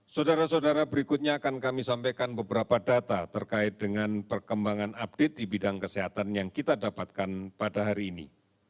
saudara saudara berikutnya akan kami sampaikan beberapa data terkait dengan perkembangan update di bidang kesehatan yang kita dapatkan pada hari ini